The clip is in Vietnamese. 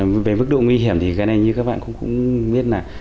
với mức độ nguy hiểm như các bạn cũng biết